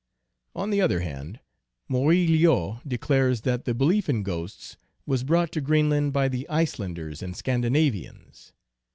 On the other hand, Morillot declares that the belief in ghosts was brought to Greenland by the Icelanders and Scandinavians.